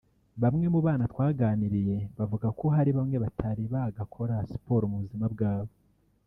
Bamwe mu bana twaganiriye bavuga ko hari bamwe batari bagakora siporo mu buzima bwabo